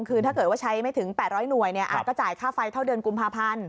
คือถ้าเกิดว่าใช้ไม่ถึง๘๐๐หน่วยก็จ่ายค่าไฟเท่าเดือนกุมภาพันธ์